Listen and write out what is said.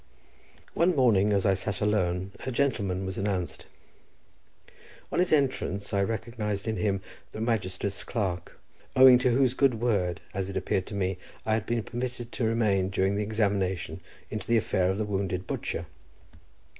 One morning as I sat alone a gentleman was announced. On his entrance I recognised in him the magistrate's clerk, owing to whose good word, as it appeared to me, I had been permitted to remain during the examination into the affair of the wounded butcher.